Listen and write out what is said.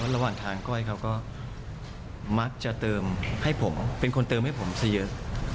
ระหว่างทางก้อยเขาก็มักจะเติมให้ผมเป็นคนเติมให้ผมซะเยอะ